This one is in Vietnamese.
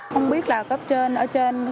không biết là cấp trên ở trên